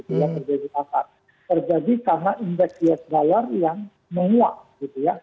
terjadi karena indeks us dollar yang menguap